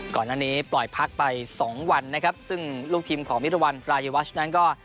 ก่อนหน้านี้ปล่อยพักไปสองวันนะครับซึ่งลูกทีมของมิรวรรณรายวัชนั้นก็